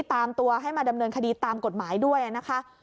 ตามตัวให้มาดำเนินคดีตามกฎหมายด้วยนะคะ